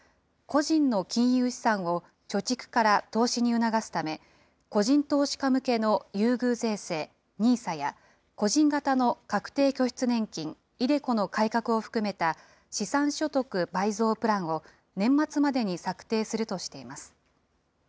このうち人への投資では、個人の金融資産を貯蓄から投資に促すため、個人投資家向けの優遇税制、ＮＩＳＡや、個人型の確定拠出年金・ｉＤｅＣｏの改革を含めた資産所得倍増プランを、年末までに策定するとしています。